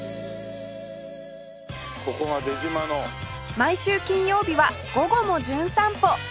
毎週金曜日は『午後もじゅん散歩』